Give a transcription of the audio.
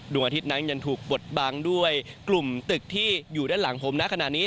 อาทิตย์นั้นยังถูกบดบังด้วยกลุ่มตึกที่อยู่ด้านหลังผมนะขณะนี้